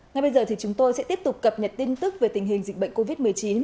ngay bây giờ thì chúng tôi sẽ tiếp tục cập nhật tin tức về tình hình dịch bệnh covid một mươi chín